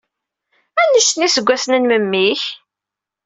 Anect n yiseggasen n memmi-k?